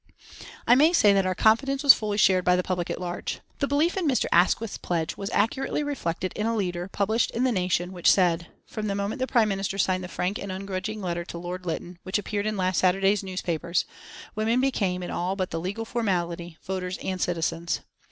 I may say that our confidence was fully shared by the public at large. The belief in Mr. Asquith's pledge was accurately reflected in a leader published in The Nation, which said: "From the moment the Prime Minister signed the frank and ungrudging letter to Lord Lytton which appeared in last Saturday's newspapers, women became, in all but the legal formality, voters and citizens.